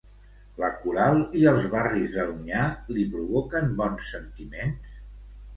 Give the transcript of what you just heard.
La coral i els barris de l'Onyar li provoquen bons sentiments?